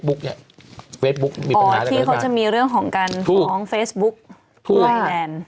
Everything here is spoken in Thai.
เฟซบุ๊กมีปัญหาอะไรกันหรือเปล่านะครับทุกคนอ๋อที่เขาจะมีเรื่องของกันของเฟซบุ๊กไลน์